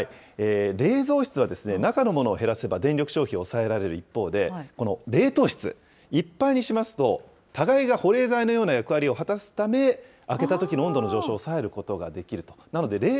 冷蔵室は中のものを減らせば電力消費を抑えられる一方で、この冷凍室、いっぱいにしますと、互いが保冷剤のような役割を果たすため、開けたときの温度の上昇を抑えることができると。